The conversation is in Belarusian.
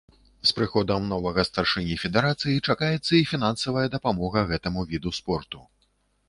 З прыходам новага старшыні федэрацыі чакаецца і фінансавая дапамога гэтаму віду спорту.